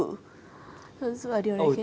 ồ tệ quá